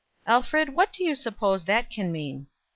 "Alfred, what do you suppose that can mean?"